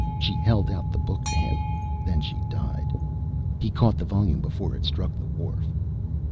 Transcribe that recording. She held out the book to him, then she died. He caught the volume before it struck the wharf.